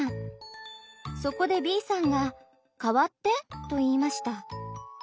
そこでＢさんが「代わって」と言いました。